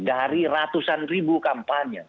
dari ratusan ribu kampanye